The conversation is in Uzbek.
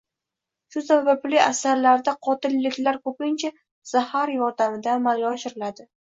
Shu sababli asarlarida qotilliklar ko‘pincha zahar yordamida amalga oshiriladi